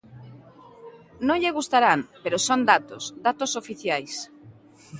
Non lle gustarán, pero son datos, datos oficiais.